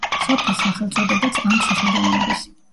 სოფლის სახელწოდებაც ამ ციხიდან მოდის.